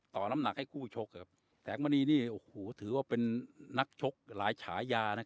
น้ำหนักให้คู่ชกแสงมณีนี่โอ้โหถือว่าเป็นนักชกหลายฉายา